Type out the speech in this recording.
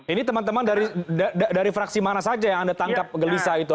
ini teman teman dari fraksi mana saja yang anda tangkap gelisah itu